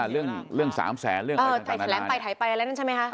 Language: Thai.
เรื่อง๓๐๐๐๐๐บาทถ่ายไปแล้วใช่ไหม